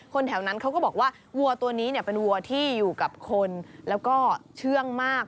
แถวนั้นเขาก็บอกว่าวัวตัวนี้เป็นวัวที่อยู่กับคนแล้วก็เชื่องมาก